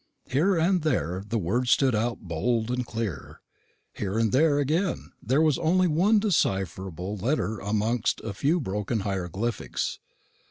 Here and there the words stood out bold and clear; here and there, again, there was only one decipherable letter amongst a few broken hieroglyphics.